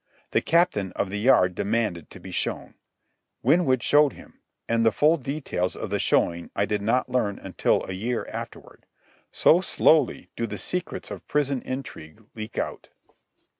The Captain of the Yard demanded to be shown. Winwood showed him, and the full details of the showing I did not learn until a year afterward, so slowly do the secrets of prison intrigue leak out.